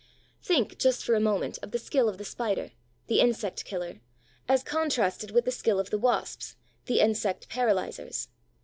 Think, just for a moment, of the skill of the Spider, the insect killer, as contrasted with the skill of the Wasps, the insect paralyzers.